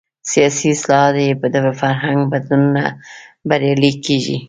سیاسي اصلاحات بې له فرهنګي بدلون نه بریالي کېږي.